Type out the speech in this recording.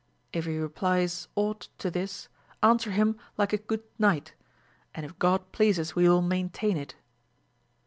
If he replies aught to this, answer him like a good knight, and if God pleases we will maint^iin it.